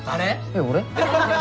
えっ俺？